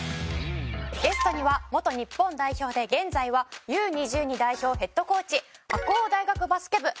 ゲストには元日本代表で現在はＵ２２代表ヘッドコーチ白大学バスケ